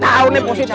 nah udah positi nih